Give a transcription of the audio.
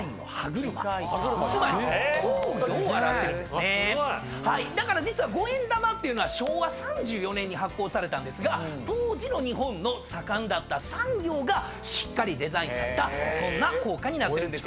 すごい！だから実は５円玉っていうのは昭和３４年に発行されたんですが当時の日本の盛んだった産業がしっかりデザインされたそんな硬貨になってるんですよ。